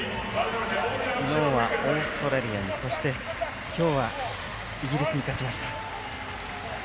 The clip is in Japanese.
昨日はオーストラリアにそして今日はイギリスに勝ちました。